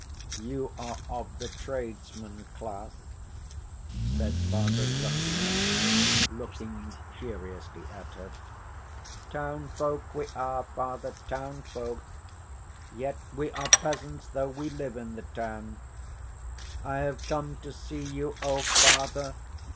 "You are of the tradesman class?" said Father Zossima, looking curiously at her. "Townfolk we are, Father, townfolk. Yet we are peasants though we live in the town. I have come to see you, O Father!